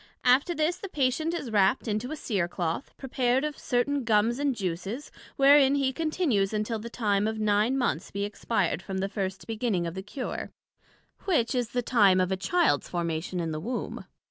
After this the Patient is wrapt into a Cere cloth, prepared of certain Gums and Juices, wherein he continues until the time of nine Months be expired from the first beginning of the cure, which is the time of a Childs formation in the Womb.